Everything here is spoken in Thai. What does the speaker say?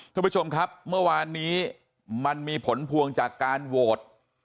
คุณผู้ชมครับเมื่อวานนี้มันมีผลพวงจากการโหวต